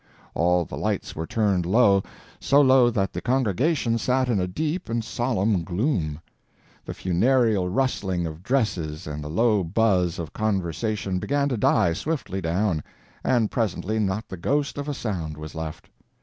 All the lights were turned low, so low that the congregation sat in a deep and solemn gloom. The funereal rustling of dresses and the low buzz of conversation began to die swiftly down, and presently not the ghost of a sound was left.